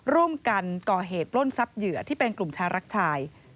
ร่วมกันก่อเหตุปล้นทรัพย์เหยื่อที่เป็นกลุ่มชายรักชาย